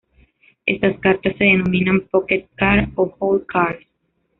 Estas cartas se denominan "pocket cards" o "hole cards".